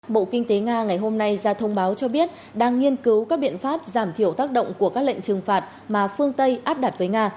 bộ kinh tế nga ngày hôm nay ra thông báo cho biết đang nghiên cứu các biện pháp giảm thiểu tác động của các lệnh trừng phạt mà phương tây áp đặt với nga